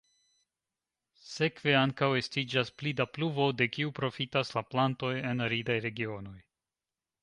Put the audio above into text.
Sekve ankaŭ estiĝas pli da pluvo, de kiu profitas la plantoj en aridaj regionoj.